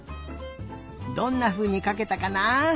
どんなふうにかけたかな？